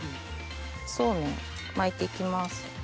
そうめん巻いていきます。